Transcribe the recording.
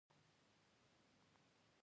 د خپل اقتدار د اوږدېدو لپاره يې راغواړي.